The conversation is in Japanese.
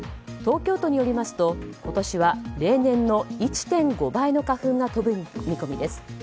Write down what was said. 東京都によりますと今年は、例年の１．５倍の花粉が飛ぶ見込みです。